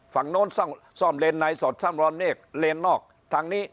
ฝั่งโน้นซ่อมเลนไหนซ่อมเลนออกทางนี้